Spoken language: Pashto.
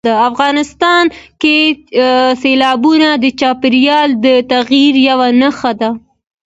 افغانستان کې سیلابونه د چاپېریال د تغیر یوه نښه ده.